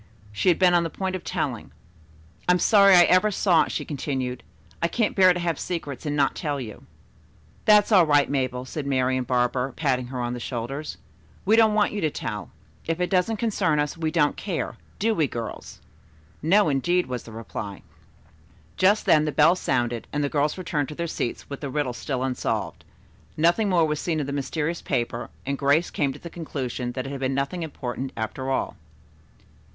She had been on the point of telling. "I am sorry I ever saw it," she continued. "I can't bear to have secrets and not tell you." "That's all right, Mabel," said Marian Barber, patting her on the shoulder. "We don't want you to tell. If it doesn't concern us we don't care, do we, girls?" "No, indeed," was the reply. Just then the bell sounded and the girls returned to their seats with the riddle still unsolved. Nothing more was seen of the mysterious paper, and Grace came to the conclusion that it had been nothing important, after all.